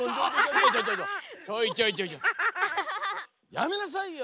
やめなさいよ